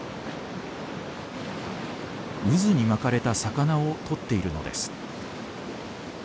渦に巻かれた魚をとっているのです。